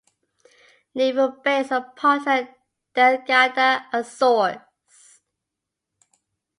Naval Base at Ponta Delgada, Azores.